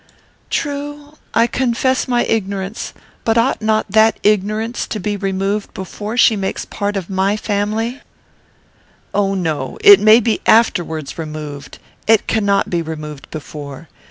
"True. I confess my ignorance; but ought not that ignorance to be removed before she makes a part of my family?" "Oh, no! It may be afterwards removed. It cannot be removed before.